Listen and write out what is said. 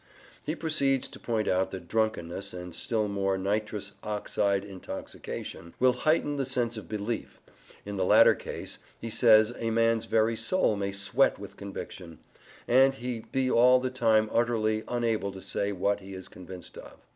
He proceeds to point out that drunkenness, and, still more, nitrous oxide intoxication, will heighten the sense of belief: in the latter case, he says, a man's very soul may sweat with conviction, and he be all the time utterly unable to say what he is convinced of.